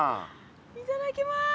いただきます。